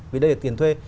vì đây là tiền thuê